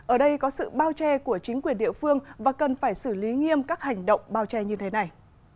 ở đây có sự bao che của chính quyền địa phương và cần phải xử lý nghiêm các hành động bao che như thế này